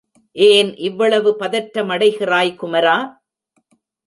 ஏன் இவ்வளவு பதற்றமடைகிறாய் குமரா?